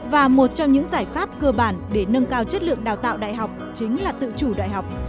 và một trong những giải pháp cơ bản để nâng cao chất lượng đào tạo đại học chính là tự chủ đại học